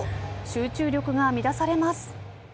集中力が乱されます。